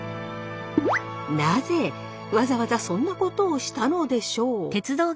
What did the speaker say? なぜわざわざそんなことをしたのでしょう。